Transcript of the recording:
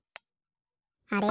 あれ？